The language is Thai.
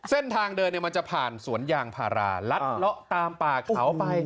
เส้นทางเดินมันจะผ่านสวนยางพาราลัดเลาะตามป่าเขาไป